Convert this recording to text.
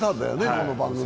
この番組で。